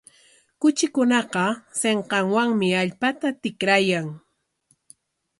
Kuchikunaqa sinqanwanmi allpata tikrayan.